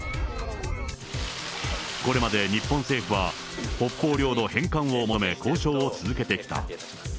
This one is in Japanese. これまで日本政府は、北方領土返還を求め、交渉を続けてきた。